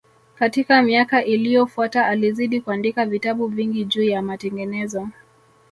Katika miaka iliyofuata alizidi kuandika vitabu vingi juu ya matengenezo